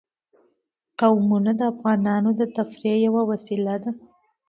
قومونه د افغانانو د تفریح یوه وسیله ده.